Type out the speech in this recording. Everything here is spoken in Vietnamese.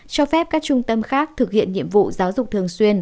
cho phép các trung tâm khác thực hiện nhiệm vụ giáo dục thường xuyên